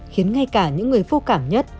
khiến ngay cả những người vô cảm nhất